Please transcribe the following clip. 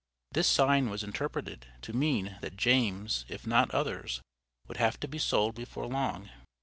This sign was interpreted to mean that James, if not others, would have to be sold before long.